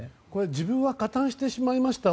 自分は加担してしまいました。